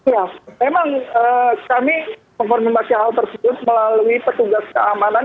ya memang kami mengkonfirmasi hal tersebut melalui petugas keamanan